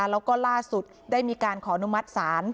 แล้วก็ล่าสุดได้มีการขออนุมัติศาล